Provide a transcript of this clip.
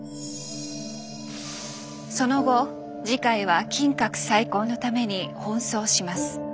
その後慈海は金閣再建のために奔走します。